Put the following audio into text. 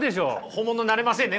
本物になれませんね